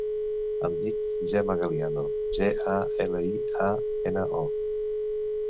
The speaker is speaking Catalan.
Em dic Gemma Galiano: ge, a, ela, i, a, ena, o.